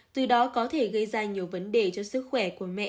từ đó có thể gây ra nhiều vấn đề cho sức khỏe